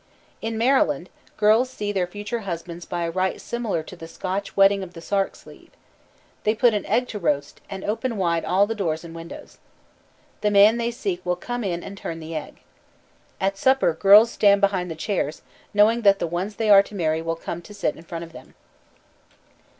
In Maryland girls see their future husbands by a rite similar to the Scotch "wetting of the sark sleeve." They put an egg to roast, and open wide all the doors and windows. The man they seek will come in and turn the egg. At supper girls stand behind the chairs, knowing that the ones they are to marry will come to sit in front of them.